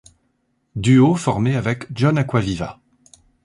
Duo formé avec John Acquaviva.